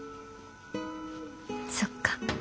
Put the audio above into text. そっか。